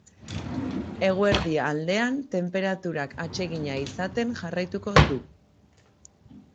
Eguerdi aldean tenperaturak atsegina izaten jarraituko du.